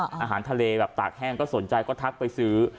อาหารทะเลแบบตากแห้งก็สนใจก็ทักไปซื้อ